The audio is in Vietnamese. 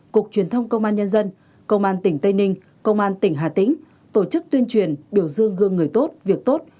cục truyền thông công an nhân dân công an tỉnh tây ninh công an tỉnh hà tĩnh tổ chức tuyên truyền biểu dương gương người tốt việc tốt